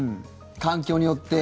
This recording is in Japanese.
環境によって。